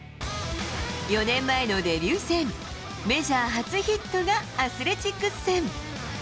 ４年前のデビュー戦、メジャー初ヒットがアスレチックス戦。